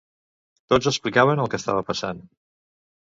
Tots explicaven el que estava passant.